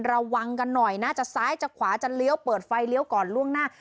ระวังกันหน่อยนะจะซ้ายจะขวาจะเลี้ยวเปิดไฟเลี้ยวก่อนล่วงหน้า